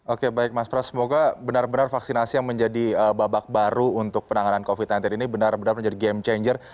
oke baik mas pras semoga benar benar vaksinasi yang menjadi babak baru untuk penanganan covid sembilan belas ini benar benar menjadi game changer